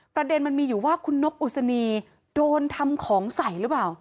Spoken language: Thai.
มันมีอยู่ว่าคุณนกอุศนีโดนทำของใส่หรือเปล่า